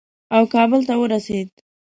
او کابل ته ورسېد.